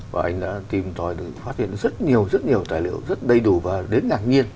và anh đã tìm tòi để phát hiện rất nhiều rất nhiều tài liệu rất đầy đủ và đến ngạc nhiên